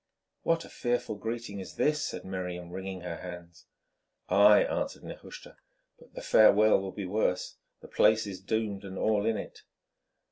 "What a fearful greeting is this!" said Miriam, wringing her hands. "Ay!" answered Nehushta, "but the farewell will be worse. The place is doomed and all in it."